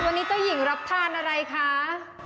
วันนี้เจ้าหญิงรับทานอะไรคะ